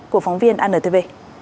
của phóng viên antv